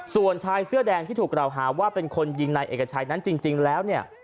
ส่วนชายเสื้อแดงที่ถูกกล่าวหาว่าเป็นคนยิงนายเอกชัยนั้นจริงแล้วเนี่ย